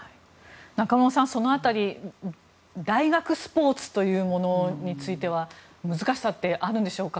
中室さん、そのあたり大学スポーツについては難しさってあるんでしょうか